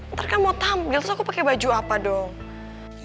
ntar kan mau tampil terus aku pakai baju apa dong